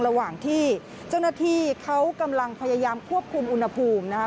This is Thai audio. ระหว่างที่เจ้าหน้าที่เขากำลังพยายามควบคุมอุณหภูมินะครับ